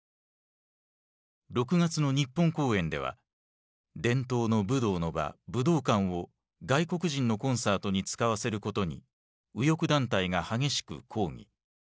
６月の日本公演では伝統の武道の場武道館を外国人のコンサートに使わせることに右翼団体が激しく抗議。